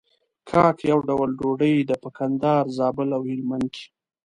کاک يو ډول ډوډۍ ده په کندهار، زابل او هلمند کې.